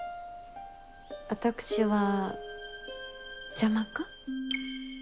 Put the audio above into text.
私は邪魔か？